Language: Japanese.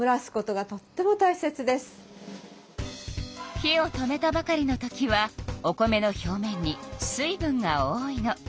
火を止めたばかりのときはお米の表面に水分が多いの。